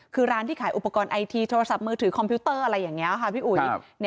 คือร้านที่ขายอุปกรณ์ไอทีโทรศัพท์มือถือคอมพิวเตอร์อะไรอย่างนี้ค่ะพี่อุ๋ย